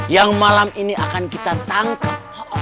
yang malam ini akan kita tangkap